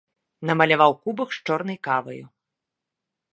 Намаляваў кубак з чорнай каваю.